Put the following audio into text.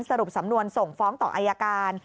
สรุปสำนวนส่งฟ้องต่ออายการ